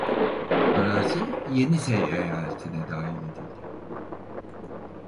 Arazi Yenisey eyaletine dahil edildi.